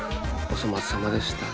お粗末さまでした。